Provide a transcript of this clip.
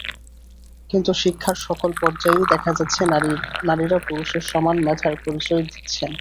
কিন্তু শিক্ষার সকল পর্যায়েই দেখা যাচ্ছে, নারীরা পুরুষের সমান মেধার পরিচয় দিচ্ছেন।